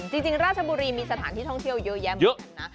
จริงราชบุรีมีสถานที่ท่องเที่ยวเยอะแยะเหมือนกันนะ